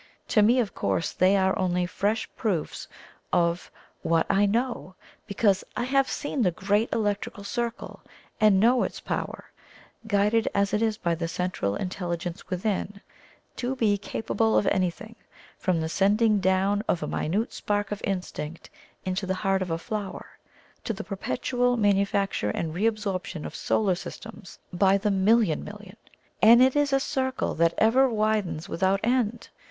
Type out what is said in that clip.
To me, of course, they are only fresh proofs of WHAT I KNOW, because I HAVE SEEN THE GREAT ELECTRIC CIRCLE, and know its power (guided as it is by the Central Intelligence within) to be capable of anything, from the sending down of a minute spark of instinct into the heart of a flower, to the perpetual manufacture and re absorption of solar systems by the million million. And it is a circle that ever widens without end.